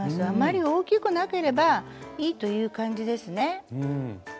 あまり大きくなければいいという感じですね。